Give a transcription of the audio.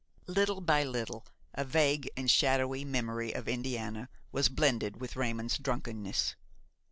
Little by little a vague and shadowy memory of Indiana was blended with Raymon's drunkenness.